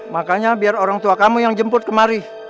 makanya biar orang tua kamu yang jemput kemari